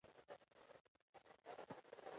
د ژوند بڼه باید د هغو پر بنسټ وټاکي.